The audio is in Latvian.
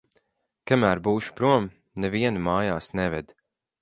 Kamēr būšu prom, nevienu mājās neved.